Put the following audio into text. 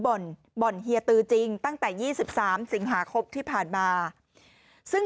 บ่อนเฮียตือจริงตั้งแต่ยี่สิบสามสิงหาครบที่ผ่านมาซึ่ง